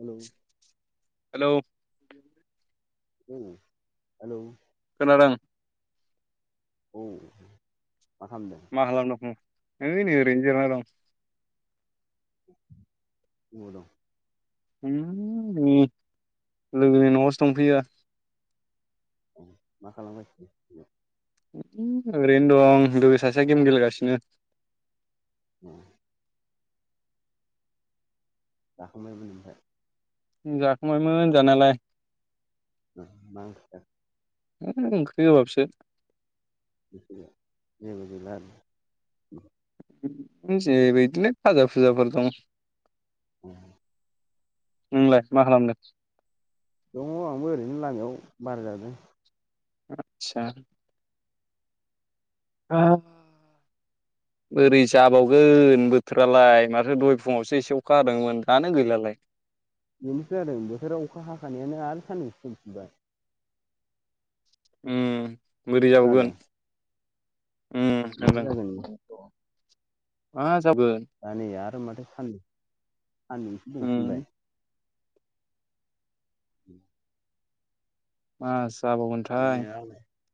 Hello hello hello खोनादों औ मा खालामदों? मा खालामदों? है नै ओरैनो जिरायना दं। अबाव दं? होम नै लोगोनि न'आवसो दंफैयो। औ मा खालामगासिनो? ओरैनो दं लोगो सासेया गेम गेलेगासिनो [inaudible] जाखांबायमोन ओमफ्राय जाखांबायमोन जानायालाय। मा ओंख्रि जाखो? ओंख्रि गोबाबसो। जेबो गैला आरोना एसे बिदिनो फाजा फुजाफोर दं। [inaudible] नोंलाय मा खालामदो? दङ' आंबो ओरैनो लामायाव बार जादों आतसा ओ [inaudible] बोरै जाबावगोन बोथोरालाय माथो दहाय फुङावसो एसे अखा हादोंमोन दानो गैलालाय बेनोथ' जादों बोथोरा अखा हाखानायानो आरो सानदुंसो दुंफिनबाय उम बोरै खोनादों जाबावगोन उम मा खोनादों जागोन नोंथां मा जागोन दा नै आरो माथो सानद सान्दुंसो उम दुंफिनबाय [unintelligible] मा जाबावगोन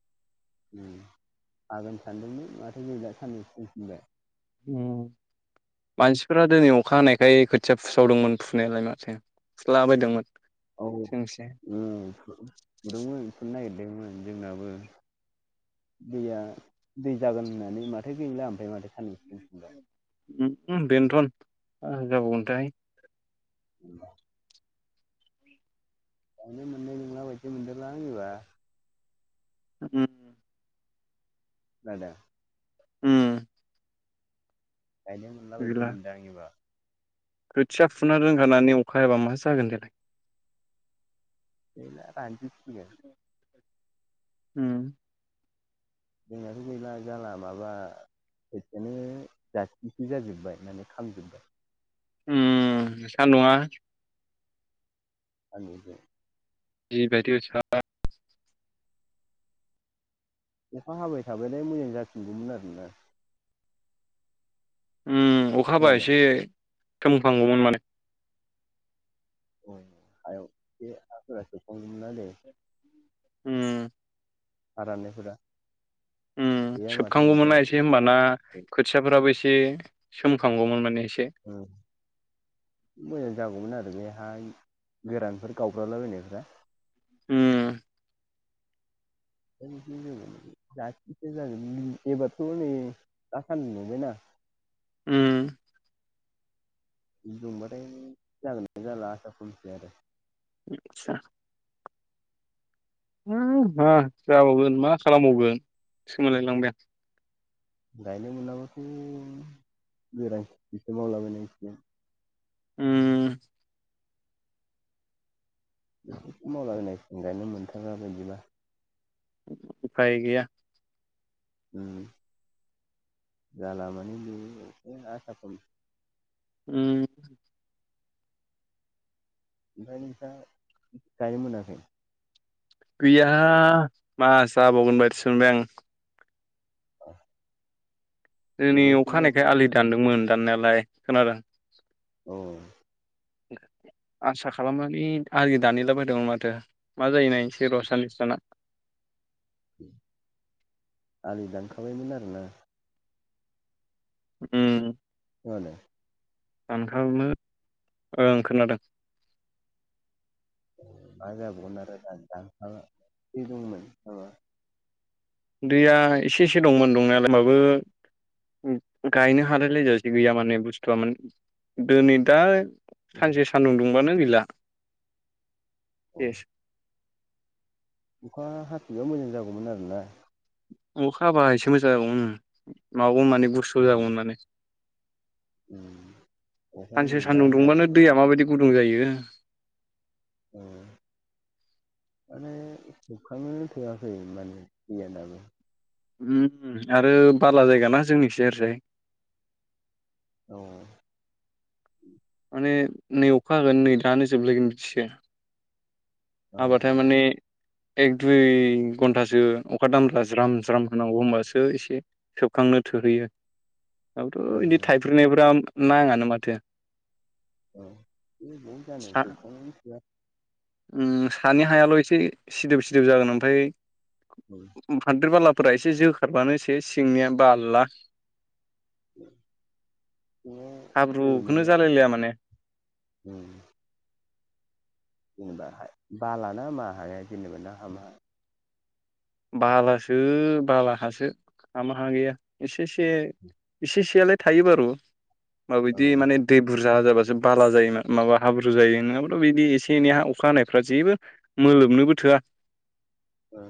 [unintelligible] हागोन सानदोंमोन माथो नै दा सानदुंसो दुंफिनबाय उम मानसिफोरा दिनै अखा हानायखाय खोथिया फुसावदोंमोन फुनायालाय माथो फुलाबायदोंमोन औ जोंसे ओ फुदोंमोन फुनो नागिरदोंमोन जोंनाबो दैया दै जागोन होननानै माथो गैला ओमफ्राय माथो सानदुंसो दुंफिनबाय उम बेनोथ'न मा जाबावगोनथाय [unintelligible] गायनो मोननाय नंला बायदि मोनदोंलां एबार ओम खोनादों ओम गायनो मोनला बायदि गैला मोनदों आंनिबा खोथिया फुना दोनखानानै अखा हायाबा मा जागोन देलाय दैया रानजोबसिगोन उम दैयानो गैला जाला माबा खोथियायानो जाथिसो जाजोब्बाय माने खामजोबबाय उम सान्दुङा [unintelligible] जिबायदि सा अखा हाबाय थाबालाय मोजां जासिनगौमोन आरोना उम अखा हाबा एसे सोमखांगौमोन माने औ हायाव ए हाफोरा सोबखांगौमोन आरो उम हा राननायफोरा उम गैया माथो ओमफ्राय सोबखांगौमोनना एसे होमबाना खोथियाफोराबो एसे सोमखांगौमोन माने एसे ओ मोजां जागौमोन आरो बे हा गोरानफोरा गावब्रालाबायनायफ्रा उम [unintelligible] एबारथ नै दा सानदुं दुंबखयना उम दुंबाथाय जागोन जाला आसा खमसै आरो आदसा मा जाबावगोन मा खालामबावगोनसो मोनलायलांबाय आं गायनो मोनाब्लाथ गोरान खेथिसो मावलाबायनांसिगोन उम बेफोरखौनो मावलाबायनांसिगोन गायनो मोनथारा बायदिबा उफाय गैया उम जाला मानि बेयो आसा खम उम ओमफ्राय नोंस्रा गायनो मोनाखै गैया मा जाबावगोन बायदिसो मोनबाय आं अ जोंनि अखा हानायखाय आलि दानदोंमोन दाननायालाय खोनादों औ आसा खालामनानै आलि दानहैलाबायदोंमोन माथो मा जायो नायनि एसे र साननैसो थाना आलि दानखाबायमोन आरोना उम जानो दानखाबायमोन ओं खोनादों मा जाबावगोन आरो दानखाना दै दंमोन नामा उन्दैया एसे एसे दंमोन दंनायालाय होमबाबो गायनो हालायलायजासे गैया माने बुस्थुआ माने दिनै दा सानसे सान्दुं दुंबानो गैला अ सेस अखा हाफिनबा मोजां जागौमोन आरोना अखा हाबा एसे मोजां जागौमोन उम माने बुरसु उम जागौमोन माने उम अखायानो नै सानसे दा सानदुं दुंबानो हायासैबा दैया माबायदि गुदुं जायो अ माने सोबखांनोनो थोआखै माने दैया दाबो उम आरो बाला जायगााना जोंनिखिजाय ओरोयजाय औ माने नै अखा होगोन नै दानो जोबलायगोन बिदिसो औ हाबाथाय माने एक दुइ घन्टासो अखा दाम्रा ज्राम ज्राम हानांगौ होनोमबासो एसे सोबखांनो थोहैयो औ नङाबाथ' बिदि थाइफ्रगनायफ्रा नाङानो माथो औ बे बहा जानो सा सोबखांनोनो थोआ उम सानि हायाल एसे सिदोब सिदोब जागोन ओमफ्राय औ [unintelligible] हादिरि बालाफोरा एसे जोखारबानो सेस सिंनिया बाला [unintelligible] सिङाव दै हाब्रुखौनो मोनोबा जालायलाया माने [unintelligible] जेनेबा बाालाना मा हाया जेनेबा ना हामा हाया बालासो बाला हासो हामा हा गैया एसे एसे इसे एसेयालाय थायो बारो मा [unintelligible] ओ बिदि माने दै बुरजा जाबासो बाला जायोमा माबा हाब्रु जायो नङाबाथ' बिदि एसे एनै हा अखा हानायफ्रा जेबो मोलोनोबो थोआ [unintelligible] [unintelligible] अ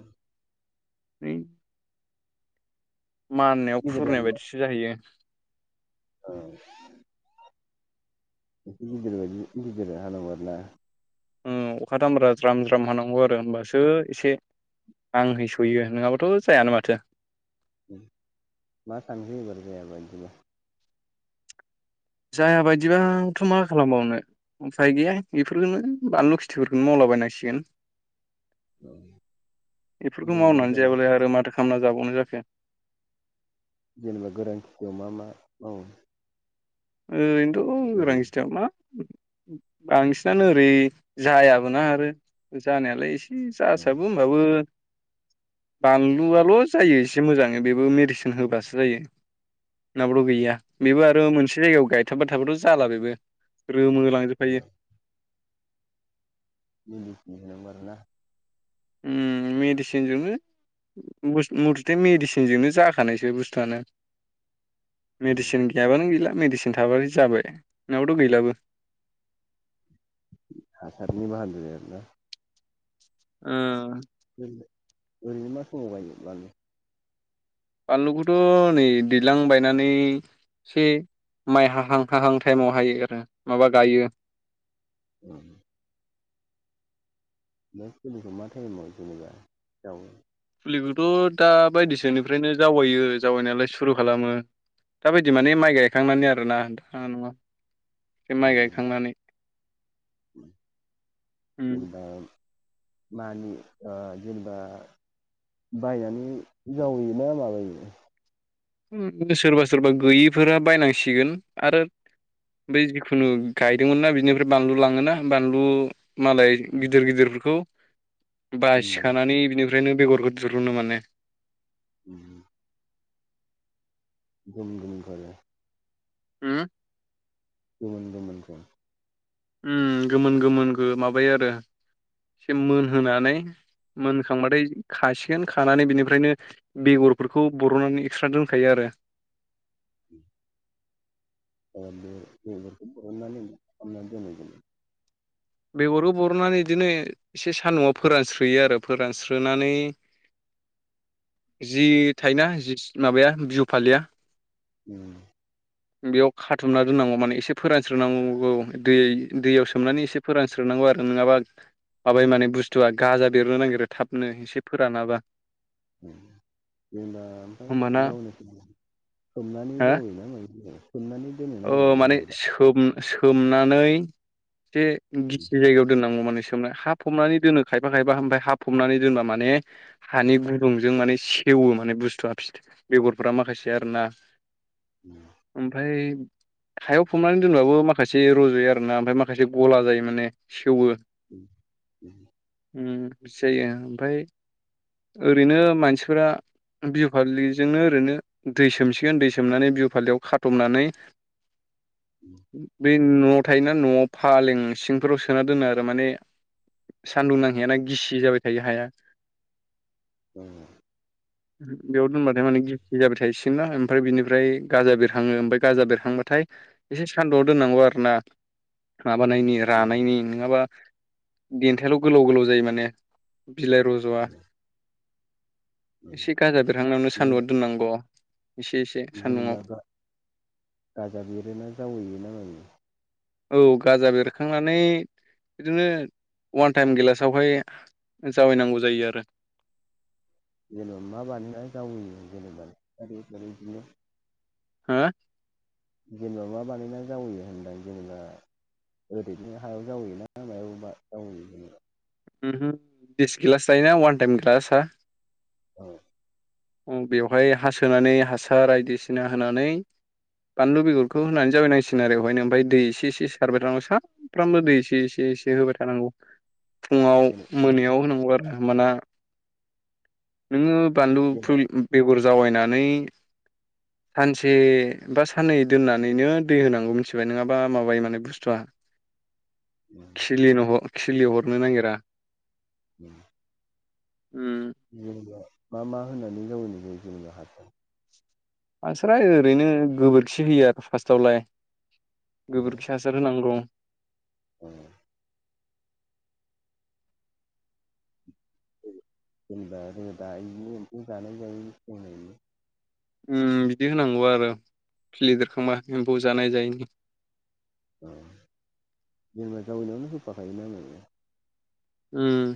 [unintelligible] माननायाव गिदिर खुरनाय बायदिसो जाहैयो औ गिदिर बायदि गिदिर हाला आरो ना [unintelligible] अखा दामब्रा ज्राम ज्राम हानांगौ आरो होमबासो एसे [unintelligible] आं है सहैयो नङाबाथ' जायानो माथो मा सानदो जायाबा इदिनो जाया बायदिबा थ' मा खालामबावनो उफाय गैया बेफोरखौनो बानलु खिथिफोरखौनो मावला बायनांसिगोन औ बेफोरखौ जेनेबा मावनानै गोरान जायाबालाय आरो माथो खालामना जाबावनो जाखो जेनेबा गोरान खेथियाव मा मा मावो ओरैनोथ' ओरै गोरान खेथियाव मा बांसिनानो ओरै जायाबोना आरो जानायालाय एसे ओ जासाबो होनबाबो [unintelligible] बानलुआल' जायो एसे मोजाङै बेबो मेडिसिन होबासो जायो नडा़बाथ' गैया बेबो आरो मोनसे जायगायाव गायथाबाय थाबाथ' जाला बेबो रोमोलां फायो ओ [unintelligible] बिसनि होनांगौ आरो [unintelligible] ना मेडिसिनजोंनो मथोथे मेडिसिनजोंनो जाखानायसो बुस्थुआनो उम मेडिसिन गैयाबानो गैला मेडिसिन थाबानो जाबाय नंडा़बाथाय गैलाबो हासारनि बाहादोरि आरो ना [unintelligible] ओम ओरैनो मा समाव गायो बानलु बानलुखौथ' नै दैज्लां बायनानै से माइ हाहां हाहां टाइमाव हायो आरो माबा गायो। उम बे फुलिखौ मा टाइमाव जेनेबा जावो। फुलिखौथ' दा बायदिसोनिफ्रायनो जावायो जावैनायालाय सुरु खालामो दााबायदि माने माइ गायखांनानै आरोना नोंथाङा नङा बे माइ गायखांनानै उम जेन'बा [inaudible] मानि ओ जेनेबा बायनानै जावैयोना माबायो सोरबा सोरबा गैयिफोरा बायनांसिगोन आरो बै जिखुनु गायदोंमोन ना बिनिफ्राय बानलु लाङोना बानलु मालाय गिदिर गिदिरफोरखौ बासिखानानै बिनिफ्रायनो बेगरखौ दिहुननो माने उम दुमदुम गाया [unintelligible] हो [unintelligible] गोमोन गोमोन खौ [unintelligible] उम गोमोन गोमोन गो माबायो आरो एसे मोनहोनानै मोनखांबाथाय खासिगोन खानानै बिनिफ्रायनो बेगरफोरखौ बर'नानै एक्सट्रा दोनखायो आरो [inaudible] ओ बे बेगरखौ बरनानै खालामनानै दोननाय जायो बेगरखौ बरननानै बिदिनो एसे सान्दुङाव फोरानस्रोयो आरो फोरानस्रोनानै [inaudible] जि थायोना जि माबाया बिहु फालिया उम बेयाव खाथुमना दोननांगौ माने एसे फोरानस्रोनांगौ दै दैयाव सोमनानै एसे फोरानस्रोनांगौ आरो नोङाबा माबाय माने बुस्थुआ गाजा बेरनो नागिरो थाबनो एसे फोरानाबा उम जेनबा ओमफ्राय होमबाना जावैनो सोमनानै हो जावैयोना मायो देलाय सोमनानै दोनोना ओ मायो माने सोम सोमनानै एसे गिसि जायगायाव दोननांगौ माने सोमना हा फबनानै दोनो खायफा खायफा ओमफ्राय हा फबनानै दोनबा माने हानि गुदुंजों माने सेवो माने बुस्थुआ फिथाइ बेगरफोरा माखासे आरो ना उम ओमफ्राय हायाव फबनानै दोनब्लाबो माखासे रज'यो आरो ना ओमफ्राय माखासे गला जायो माने सेवो उम उम उम बिदि जायो ओमफ्राय ओरैनो मानसिफोरा बिहु फालिजोंनो ओरैनो दै सोमसिगोन दै सोमनानै बिहु फालियाव खाथबनानै उम बे न'आव थायोना न'आव फालें सिंफोराव सोना दोनो आरो माने सान्दुं नांहैयाना गिसि जाबाय थायो हाया। ओं ओं बेयाव दोनबथाय माने गेसि जाबाय थायोसिम ना ओमफ्राय बिनिफ्राय गाजा बेरखाङो ओमफ्राय गाजा बेरहांबाथाय नाथाय एसे सान्दुङाव दोननांगौ आरो ना माबानायनि जेनेबा रानायनि नोङाबा देन्थायाल' गोलाव गोलाव जायो माने बिलाइ रज'आ एसे गाजा बेरहांनायावनो सान्दुङाव दोननांगौ एसे एस जेनेबा गा गाजा बेरोना जावैयो ना मायो औ गाजा बेरखांनानै बिदिनो अवान टाइम गेलासावहाय जावायनांगौ जायो आरो जेनेबा मा बानायना जावैयो जेनेबा फारि फारि बिदिनो हो जेनेबा मा बानायना जावैयो होनदों जेनेबा ओरैनो हायाव जावोयोना मायावा जावोयो जेनेबा [unintelligible] डिस गिलास थायोना अवान टाइम गिलासा औ बेवहाय हासोनानै हासार बायदिसिना होनानै बानलु बेगरखौ होनानै जावायनांसि गोन आरो बेवहायनो ओमफ्राय दै एसे एसे सारबाय थानांगौ सानफ्रामबो दै एसे एसे एसे होबाय थानांगौ औ फुङाव जेनेबा मा मोनायाव होनांगौ आरो ओमबाना नोङो बानलु फु जेनेबा बेगर जावैनानै सानसे बा साननै दोननानैनो दै होनांगौ मिथिबाय नङाबा माबायो माने बुस्थुआ उम खिलिनो खिलि हरनो नागिरा उम उम जेन'बा मा मा होननानै जावैनाय जायो हासार मानसिफ्रा ओरैनो गोबोरखि होयो आरो फास्टावलाय गोबोरखि हा सार होनांगौ अ जेन'बा रोदायैनो एमफौ जानाय जायो हनै उम बिदि होनांगौ आरो खिलिबेरखांबा एम्फौ जानाय जायैनि अ जेन'बा जावैनायावनो होफाखायो नामा [unintelligible] उम